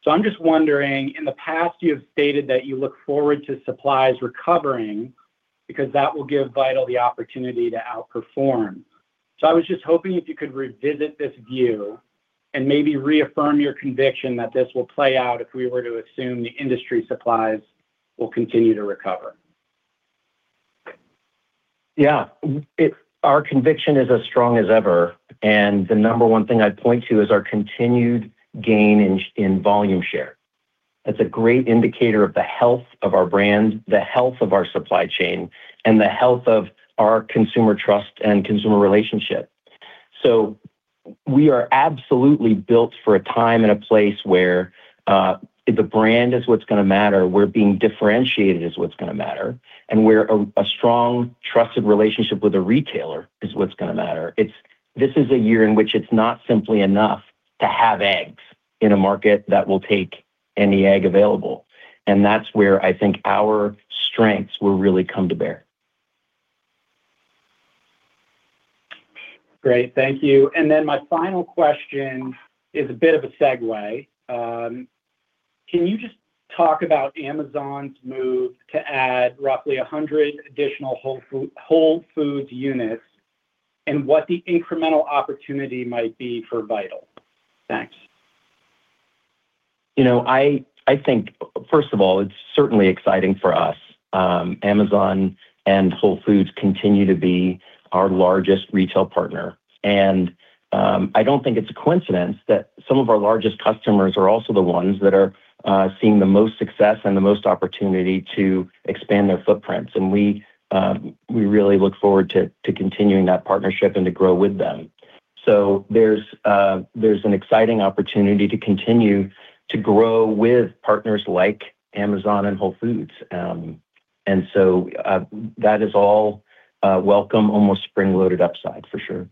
I'm just wondering, in the past, you have stated that you look forward to supplies recovering because that will give Vital the opportunity to outperform. I was just hoping if you could revisit this view and maybe reaffirm your conviction that this will play out if we were to assume the industry supplies will continue to recover. Yeah. Our conviction is as strong as ever. The number one thing I'd point to is our continued gain in volume share. That's a great indicator of the health of our brand, the health of our supply chain, and the health of our consumer trust and consumer relationship. We are absolutely built for a time and a place where the brand is what's gonna matter. We're being differentiated is what's gonna matter. Where a strong, trusted relationship with a retailer is what's gonna matter. This is a year in which it's not simply enough to have eggs in a market that will take any egg available. That's where I think our strengths will really come to bear. Great. Thank you. My final question is a bit of a segue. Can you just talk about Amazon's move to add roughly 100 additional Whole Foods units and what the incremental opportunity might be for Vital? Thanks. You know, I think, first of all, it's certainly exciting for us. Amazon and Whole Foods continue to be our largest retail partner, and I don't think it's a coincidence that some of our largest customers are also the ones that are seeing the most success and the most opportunity to expand their footprints. We really look forward to continuing that partnership and to grow with them. There's an exciting opportunity to continue to grow with partners like Amazon and Whole Foods. That is all welcome, almost spring-loaded upside, for sure.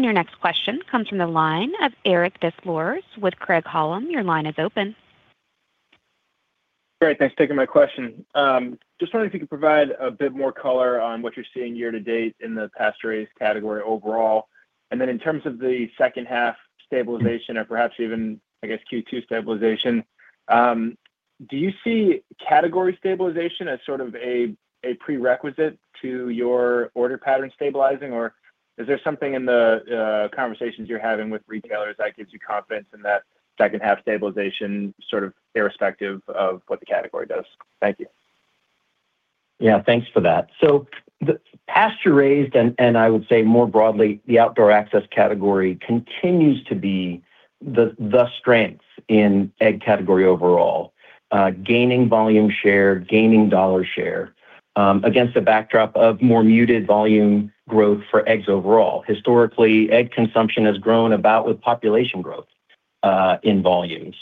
Your next question comes from the line of Eric Des Lauriers with Craig-Hallum. Your line is open. Great. Thanks for taking my question. Just wondering if you could provide a bit more color on what you're seeing year to date in the pasture-raised category overall. In terms of the second half stabilization or perhaps even, I guess, Q2 stabilization, do you see category stabilization as sort of a prerequisite to your order pattern stabilizing, or is there something in the conversations you're having with retailers that gives you confidence in that second half stabilization, sort of irrespective of what the category does? Thank you. Thanks for that. The pasture-raised, and I would say more broadly, the outdoor access category continues to be the strength in egg category overall. Gaining volume share, gaining dollar share, against the backdrop of more muted volume growth for eggs overall. Historically, egg consumption has grown about with population growth in volumes.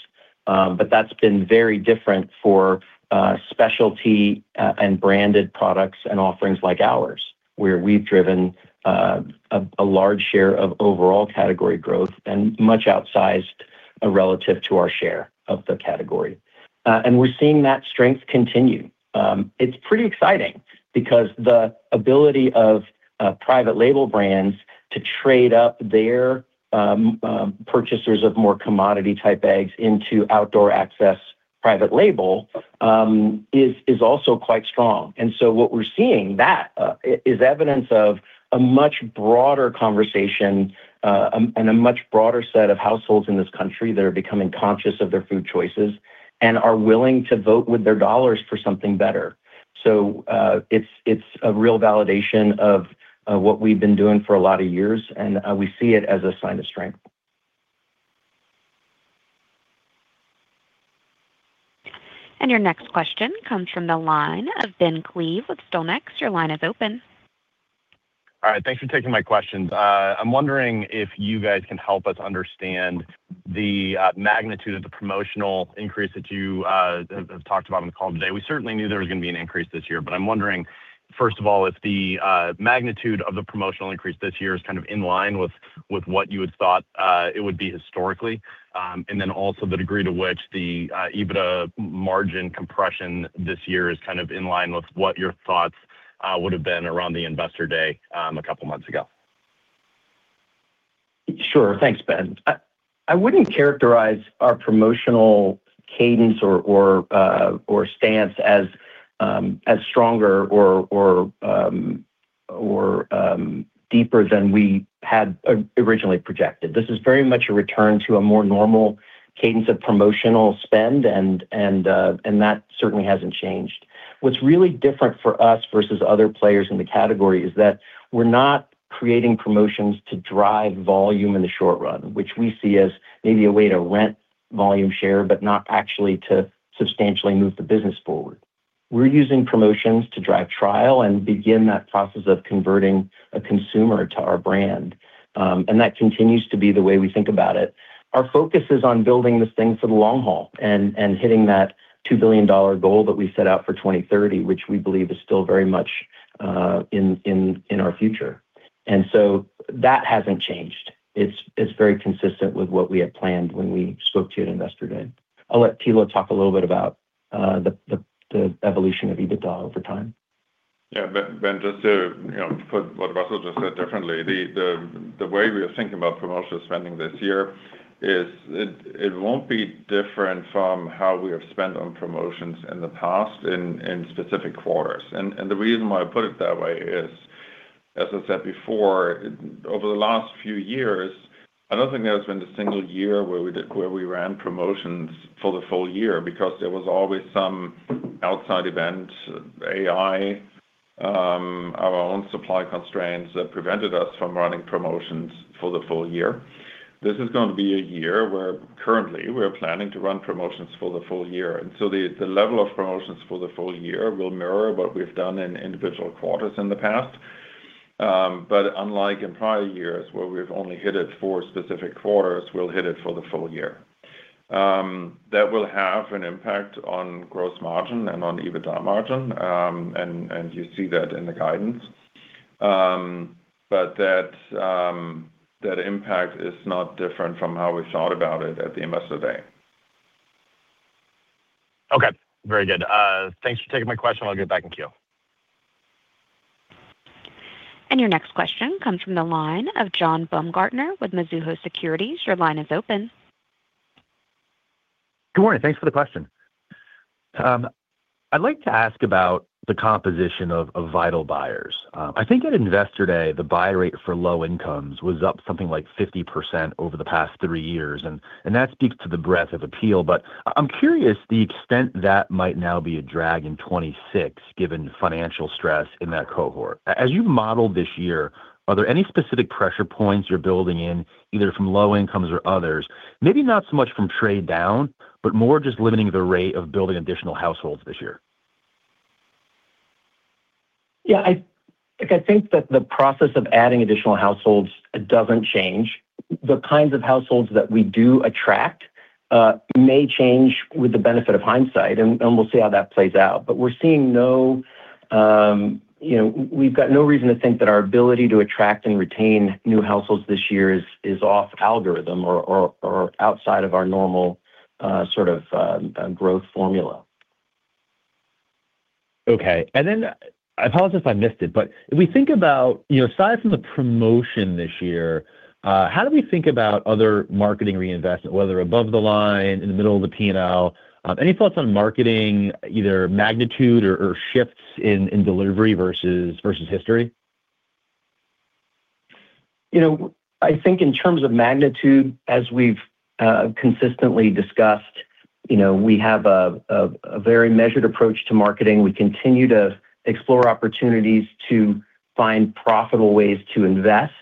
That's been very different for specialty and branded products and offerings like ours, where we've driven a large share of overall category growth and much outsized relative to our share of the category. We're seeing that strength continue. It's pretty exciting because the ability of private label brands to trade up their purchasers of more commodity-type eggs into outdoor access private label is also quite strong. What we're seeing, that, is evidence of a much broader conversation, and a much broader set of households in this country that are becoming conscious of their food choices and are willing to vote with their dollars for something better. It's, it's a real validation of what we've been doing for a lot of years, and we see it as a sign of strength. Your next question comes from the line of Ben Klieve with Stonex. Your line is open. All right, thanks for taking my questions. I'm wondering if you guys can help us understand the magnitude of the promotional increase that you have talked about on the call today. We certainly knew there was gonna be an increase this year, I'm wondering, first of all, if the magnitude of the promotional increase this year is kind of in line with what you had thought it would be historically. Then also the degree to which the EBITDA margin compression this year is kind of in line with what your thoughts would have been around the Investor Day a couple months ago. Sure. Thanks, Ben. I wouldn't characterize our promotional cadence or stance as stronger or deeper than we had originally projected. This is very much a return to a more normal cadence of promotional spend, and that certainly hasn't changed. What's really different for us versus other players in the category is that we're not creating promotions to drive volume in the short run, which we see as maybe a way to rent volume share, but not actually to substantially move the business forward. We're using promotions to drive trial and begin that process of converting a consumer to our brand, and that continues to be the way we think about it. Our focus is on building this thing for the long haul and hitting that $2 billion goal that we set out for 2030, which we believe is still very much in our future. That hasn't changed. It's very consistent with what we had planned when we spoke to you at Investor Day. I'll let Thilo talk a little bit about the evolution of EBITDA over time. Yeah, Ben, just to, you know, put what Russell just said differently, the way we are thinking about promotional spending this year is it won't be different from how we have spent on promotions in the past in specific quarters. The reason why I put it that way is, as I said before, over the last few years, I don't think there's been a single year where we ran promotions for the full year, because there was always some outside event, AI, our own supply constraints that prevented us from running promotions for the full year. This is gonna be a year where currently we're planning to run promotions for the full year. The level of promotions for the full year will mirror what we've done in individual quarters in the past. Unlike in prior years, where we've only hit it for specific quarters, we'll hit it for the full year. That will have an impact on gross margin and on EBITDA margin, and you see that in the guidance. That impact is not different from how we thought about it at the Investor Day. Okay, very good. Thanks for taking my question. I'll get back in queue. Your next question comes from the line of John Baumgartner with Mizuho Securities. Your line is open. Good morning. Thanks for the question. I'd like to ask about the composition of Vital buyers. I think at Investor Day, the buy rate for low incomes was up something like 50% over the past 3 years, and that speaks to the breadth of appeal. I'm curious the extent that might now be a drag in 2026, given financial stress in that cohort. As you modeled this year, are there any specific pressure points you're building in, either from low incomes or others? Maybe not so much from trade down, but more just limiting the rate of building additional households this year. Yeah, I, look, I think that the process of adding additional households doesn't change. The kinds of households that we do attract, may change with the benefit of hindsight, and we'll see how that plays out. We're seeing no, you know, we've got no reason to think that our ability to attract and retain new households this year is off algorithm or outside of our normal, sort of, growth formula. Okay. I apologize if I missed it, but if we think about, you know, aside from the promotion this year, how do we think about other marketing reinvestment, whether above the line, in the middle of the P&L? Any thoughts on marketing, either magnitude or shifts in delivery versus history? You know, I think in terms of magnitude, as we've consistently discussed, you know, we have a very measured approach to marketing. We continue to explore opportunities to find profitable ways to invest,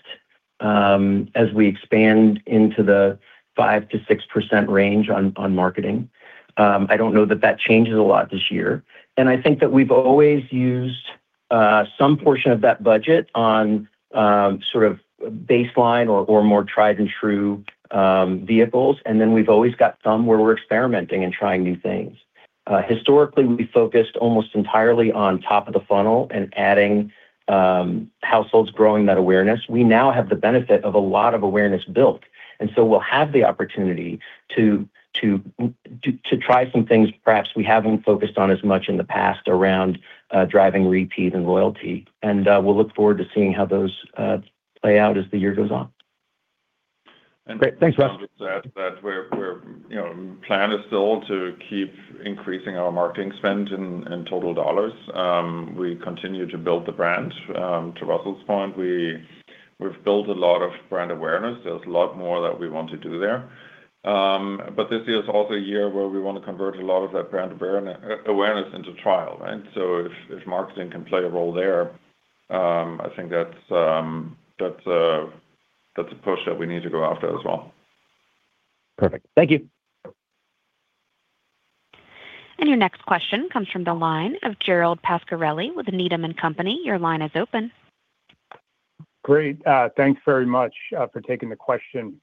as we expand into the 5%-6% range on marketing. I don't know that that changes a lot this year. I think that we've always used some portion of that budget on sort of baseline or more tried and true vehicles, and then we've always got some where we're experimenting and trying new things. Historically, we focused almost entirely on top of the funnel and adding households, growing that awareness. We now have the benefit of a lot of awareness built, so we'll have the opportunity to try some things perhaps we haven't focused on as much in the past around driving repeat and loyalty. We'll look forward to seeing how those play out as the year goes on. Great. Thanks, Russell. That we're, you know, plan is still to keep increasing our marketing spend in total dollars. We continue to build the brand, to Russell's point. We've built a lot of brand awareness. There's a lot more that we want to do there. This is also a year where we want to convert a lot of that brand awareness into trial, right? If marketing can play a role there, I think that's that's a push that we need to go after as well. Perfect. Thank you. Your next question comes from the line of Gerald Pascarelli with Needham & Company. Your line is open. Great. Thanks very much for taking the question.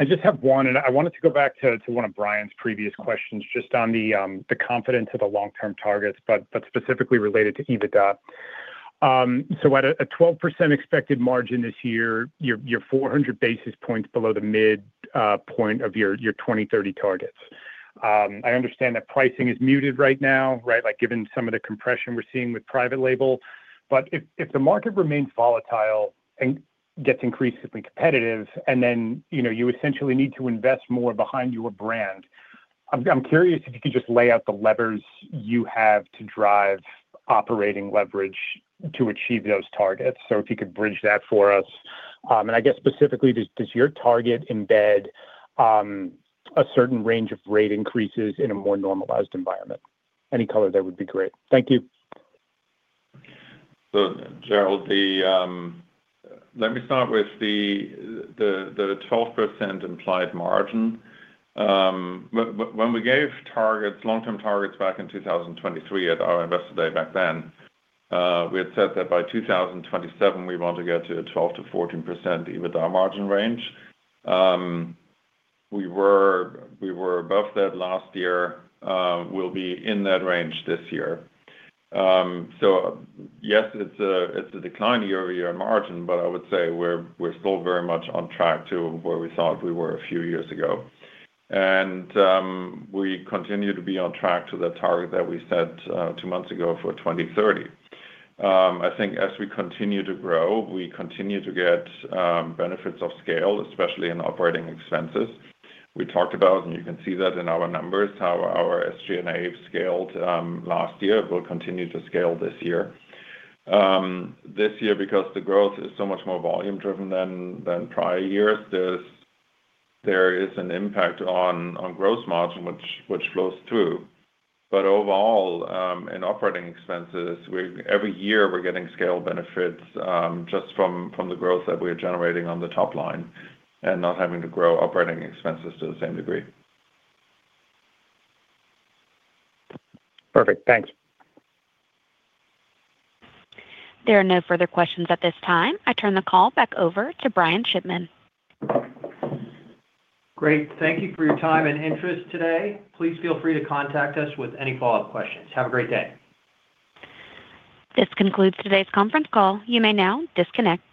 I just have one. I wanted to go back to one of Brian's previous questions, just on the confidence of the long-term targets, but specifically related to EBITDA. At a 12% expected margin this year, you're 400 basis points below the mid-point of your 2030 targets. I understand that pricing is muted right now, right? Like, given some of the compression we're seeing with private label. If the market remains volatile and gets increasingly competitive, you know, you essentially need to invest more behind your brand, I'm curious if you could just lay out the levers you have to drive operating leverage to achieve those targets. If you could bridge that for us. I guess specifically, does your target embed a certain range of rate increases in a more normalized environment? Any color there would be great. Thank you. Gerald, let me start with the 12% implied margin. When we gave targets, long-term targets back in 2023 at our Investor Day back then, we had said that by 2027, we want to get to a 12%-14% EBITDA margin range. We were above that last year. We'll be in that range this year. Yes, it's a decline year-over-year in margin, but I would say we're still very much on track to where we thought we were a few years ago. We continue to be on track to the target that we set 2 months ago for 2030. I think as we continue to grow, we continue to get benefits of scale, especially in operating expenses. We talked about, and you can see that in our numbers, how our SG&A scaled, last year, will continue to scale this year. This year, because the growth is so much more volume-driven than prior years, there is an impact on gross margin, which flows through. Overall, in operating expenses, every year we're getting scale benefits, just from the growth that we are generating on the top line and not having to grow operating expenses to the same degree. Perfect. Thanks. There are no further questions at this time. I turn the call back over to Brian Shipman. Great. Thank you for your time and interest today. Please feel free to contact us with any follow-up questions. Have a great day. This concludes today's conference call. You may now disconnect.